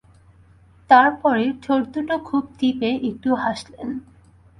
তার পরে ঠোঁটদুটো খুব টিপে একটু হাসলেন।